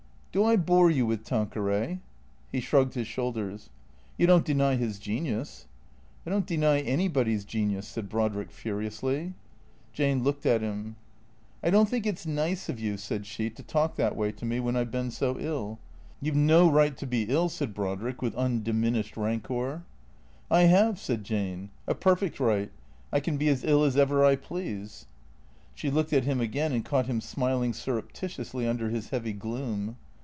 " Do I bore you with Tanqueray ?" He shrugged his shoulders. " You don't deny his genius ?"" I don't deny anybody's genius," said Brodrick furiously. Jane looked at him. THE CEEA TORS 249 " I don't think it 's nice of you," said she, " to talk that way to me when I 've been so ill." " You 've no right to be ill," said Brodrick, with undiminished rancour. " I have," said Jane. " A perfect right. I can be as ill as ever I please." She looked at him again and caught him smiling surrepti tiously under his heavy gloom.